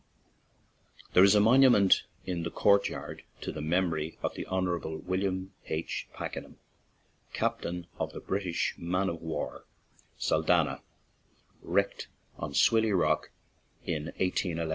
There is a monument in the churchyard to the memory of the Hon. William H. Packenham, captain of the British man of war Saldanha, wrecked on S willy Rock in 181 1.